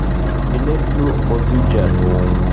Mi ne plu moviĝas.